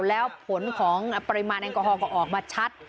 แล้วผลของปริมาณแอลกอฮอลก็ออกมาชัด